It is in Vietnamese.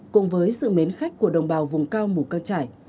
cùng với sự mến khách của đồng bào vùng cao mù cang trải